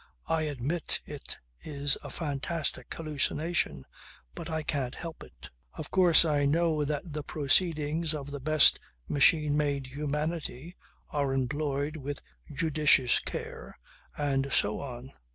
I admit it is a fantastic hallucination, but I can't help it. Of course I know that the proceedings of the best machine made humanity are employed with judicious care and so on.